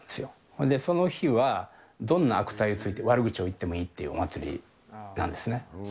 それでその日は、どんな悪態をついても、悪口を言ってもいいっていうお祭りなんですね。